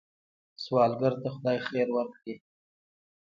سوالګر ته خدای خیر ورکړي